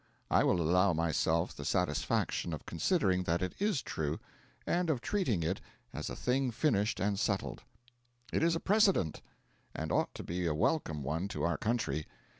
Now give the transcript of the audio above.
I will allow myself the satisfaction of considering that it is true, and of treating it as a thing finished and settled. It is a precedent; and ought to be a welcome one to our country.